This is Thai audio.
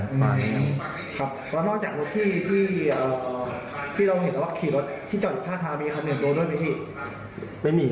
ครับแล้วนอกจากรถที่เราเห็นแล้วว่าขี่รถที่จอดอยู่ท่าท้ามีคำเนียมโดนไหมอีก